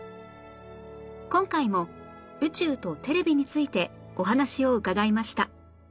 今回も宇宙とテレビについてお話を伺いました